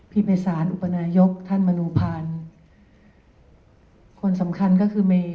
พี่มัยสานอุปนาหยกท่านมนูพานคนสำคัญก็คือเม